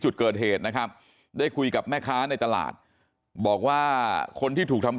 จุดเกิดเหตุนะครับได้คุยกับแม่ค้าในตลาดบอกว่าคนที่ถูกทำ